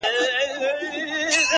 ه بيا دي ږغ کي يو عالم غمونه اورم”